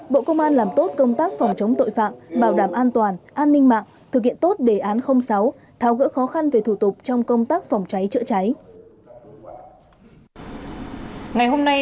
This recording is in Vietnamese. bộ công an làm tốt công tác phòng chống tội phạm bảo đảm an toàn an ninh mạng thực hiện tốt đề án sáu tháo gỡ khó khăn về thủ tục trong công tác phòng cháy chữa cháy